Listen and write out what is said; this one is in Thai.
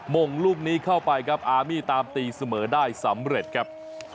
มงลูกนี้เข้าไปครับอามี่ตามตีเสมอได้สำเร็จครับ